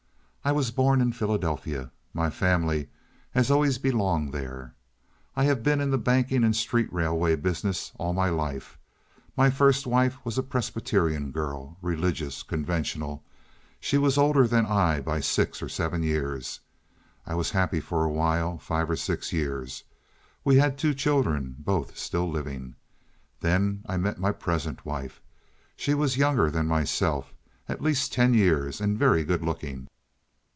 I was born in Philadelphia. My family had always belonged there. I have been in the banking and street railway business all my life. My first wife was a Presbyterian girl, religious, conventional. She was older than I by six or seven years. I was happy for a while—five or six years. We had two children—both still living. Then I met my present wife. She was younger than myself—at least ten years, and very good looking.